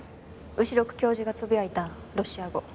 後宮教授がつぶやいたロシア語。